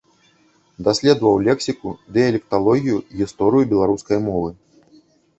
Даследаваў лексіку, дыялекталогію, гісторыю беларускай мовы.